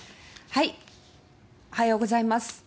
おはようございます。